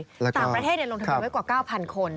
ต่างประเทศลงทะเบียนไว้กว่า๙๐๐คน